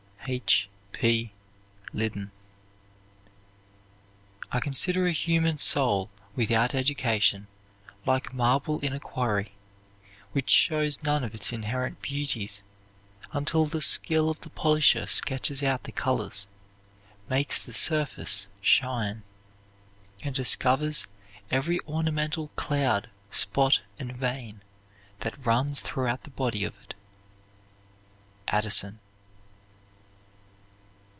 H. P. LIDDON. I consider a human soul without education like marble in a quarry, which shows none of its inherent beauties until the skill of the polisher sketches out the colors, makes the surface shine, and discovers every ornamental cloud, spot, and vein that runs throughout the body of it. ADDISON.